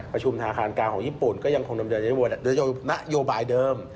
ธนาคารกลางของญี่ปุ่นก็ยังคงดำเนินโดยนโยบายเดิม